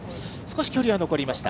少し距離は残りました